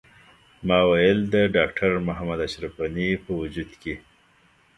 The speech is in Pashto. ما ویل د ډاکټر محمد اشرف غني په وجود کې.